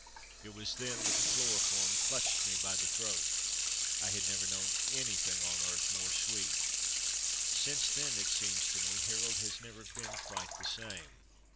It was then that the chloroform clutched me by the throat. I have never known anything on earth more sweet. Since then, it seems to me, Harold has never been quite the same.